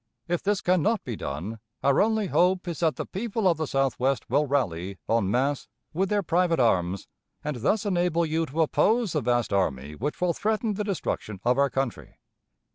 If this can not be done, our only hope is that the people of the Southwest will rally en masse with their private arms, and thus enable you to oppose the vast army which will threaten the destruction of our country.